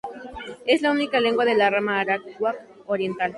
Es la única lengua de la rama arawak oriental.